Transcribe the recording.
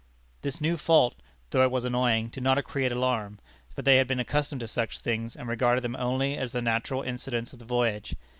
This new fault, though it was annoying, did not create alarm, for they had been accustomed to such things, and regarded them only as the natural incidents of the voyage.